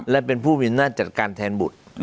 และเป็นผู้พูดหน้าศึกการแทนบุตร